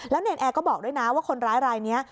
เนรนแอร์ก็บอกด้วยนะว่าคนร้ายรายนี้